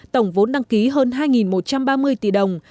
tổng vốn đăng ký hơn hai một trăm ba mươi tỷ đồng